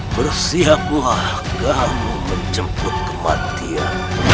bersiaplah kamu menjemput kematian